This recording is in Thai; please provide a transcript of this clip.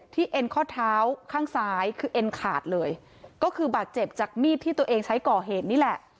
เอ็นข้อเท้าข้างซ้ายคือเอ็นขาดเลยก็คือบาดเจ็บจากมีดที่ตัวเองใช้ก่อเหตุนี่แหละ